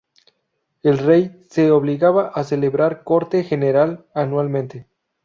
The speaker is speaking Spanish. El rey se obligaba a celebrar Corte General anualmente.